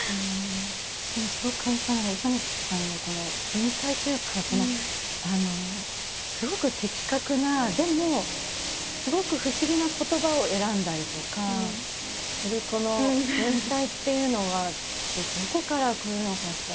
私でもすごく感じたのは宇佐見さんのこの文体というかすごく的確なでもすごく不思議な言葉を選んだりとかするこの文体っていうのはどこからくるのかしら？